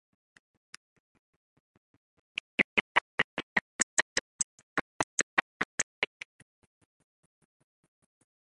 Period added at the end of the sentence - corrects the grammar mistake.